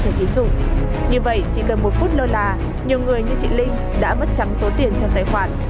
như vậy chỉ cần một phút lâu là nhiều người như chị linh đã mất trắng số tiền trong tài khoản